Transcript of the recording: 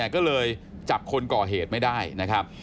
ก็เลยจับคนก่อเหตุไม่ได้นะครับ